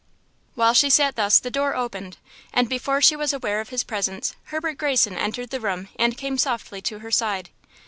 While she sat thus the door opened, and before she was aware of his presence, Herbert Greyson entered the room and came softly to her side.